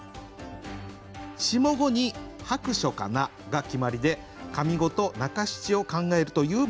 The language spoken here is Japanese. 下五に「薄暑かな」が決まりで上五と中七を考えるというものでした。